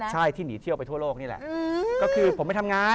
หนีเที่ยวของคุณเนี่ยนะ